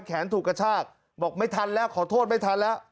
ถูกกระชากบอกไม่ทันแล้วขอโทษไม่ทันแล้ว